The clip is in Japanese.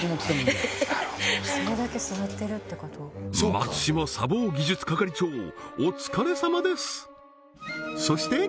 松島砂防技術係長お疲れさまです！